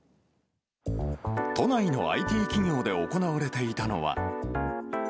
都内のＩＴ企業で行われていたのは。